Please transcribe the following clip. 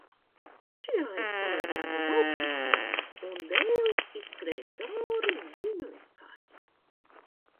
Čigāniete palēcās uz augšu un dēlis izskrēja cauri viņu neskāris.